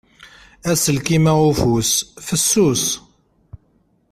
Aselkim-a ufus fessus.